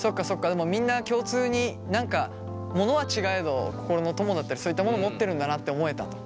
でもみんな共通に何かモノは違えど心の友だったりそういったモノを持ってるんだなって思えたと。